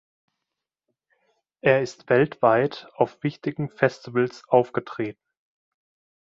Er ist weltweit auf wichtigen Festivals aufgetreten.